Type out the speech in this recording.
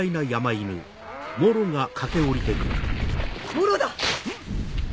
モロだ！